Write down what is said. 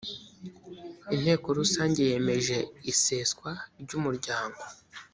inteko rusange yemeje iseswa ryumuryango